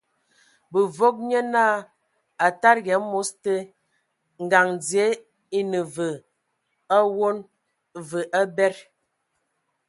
Bǝvɔg nye naa a tadigi amos te, ngaŋ dzie e ne ve awon, və abed.